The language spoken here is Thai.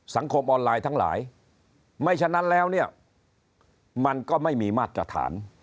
สังคมออนไลน์ทั้งหลายไม่ฉะนั้นแล้วเนี่ยมันก็ไม่มีมาตรฐาน